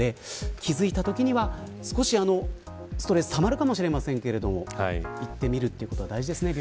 気付いたときには少しストレスがたまるかもしれませんが病院などに行ってみるって大事ですね。